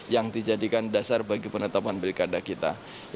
yang dijadikan dasar bagi penetapan pilkada kita